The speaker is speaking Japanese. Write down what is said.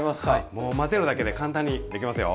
もう混ぜるだけで簡単にできますよ。